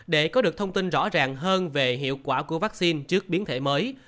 để có được thông tin rõ ràng hơn về hiệu quả của vaccine trước biến thể mới